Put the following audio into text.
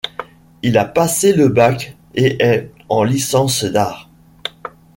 Il a passé le bac et est en licence d'art.